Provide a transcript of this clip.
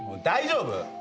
大丈夫？